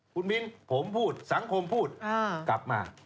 คุณมิ้นผมพูดสังคมพูดกลับมา